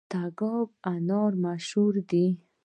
تګاب انار مشهور دي؟